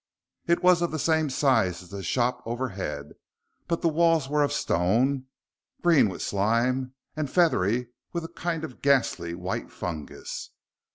It was of the same size as the shop overhead, but the walls were of stone, green with slime and feathery with a kind of ghastly white fungus.